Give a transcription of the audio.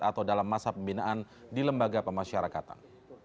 atau dalam masa pembinaan di lembaga pemasyarakatan